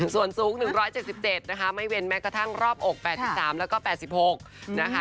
ส่วนสูง๑๗๗นะคะไม่เว้นแม้กระทั่งรอบอก๘๓แล้วก็๘๖นะคะ